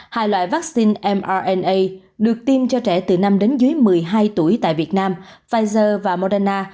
hai loại vaccine mrna được tiêm cho trẻ từ năm đến dưới một mươi hai tuổi tại việt nam pfizer và moderna